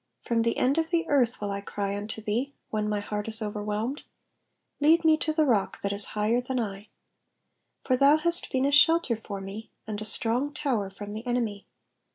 2 From the end of the earth will I cry unto thee, when my heart is overwhelmed : lead me to the rock i/uzt is higher than I. 3 For thou hast been a shelter for me, and a strong tower from the enemy.